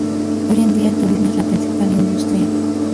Hoy en día, el turismo es la principal industria.